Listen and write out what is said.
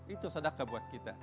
itu sadakah buat kita